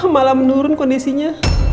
malah menurun kondisinya